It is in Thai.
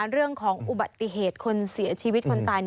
เรื่องของอุบัติเหตุคนเสียชีวิตคนตาย